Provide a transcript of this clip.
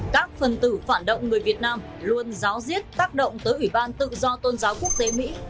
các phần tử phản động người việt nam luôn giáo diết tác động tới ủy ban tự do tôn giáo quốc tế mỹ